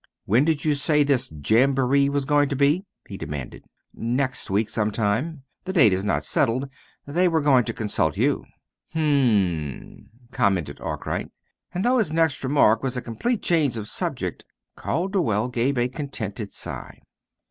"When did you say this jamboree was going to be?" he demanded. "Next week, some time. The date is not settled. They were going to consult you." "Hm m," commented Arkwright. And, though his next remark was a complete change of subject, Calderwell gave a contented sigh.